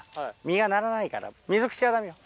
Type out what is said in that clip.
実がならないから水口はダメよ